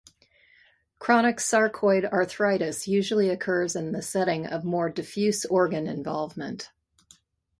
Chronic sarcoid arthritis usually occurs in the setting of more diffuse organ involvement.